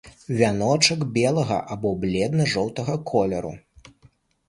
Вяночак белага або бледна-жоўтага колеру.